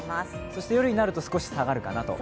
そして夜になると少し下がるかなと。